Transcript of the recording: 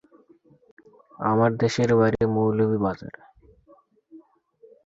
আমার দেশের বাড়ি মৌলভীবাজারে।